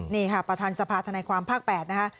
นี่ค่ะประธานสภาธนาความภาค๘นะคะ